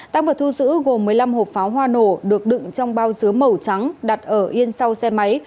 tăng vật thu giữ gồm một mươi năm hộp pháo hoa nổ được đựng trong bao dứa màu trắng đặt ở yên sau xe máy